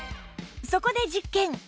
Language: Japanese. そこで実験